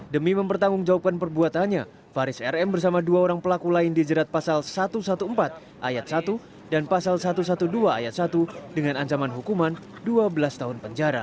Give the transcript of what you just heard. demi mempertanggungjawabkan perbuatannya faris rm bersama dua orang pelaku lain dijeratkan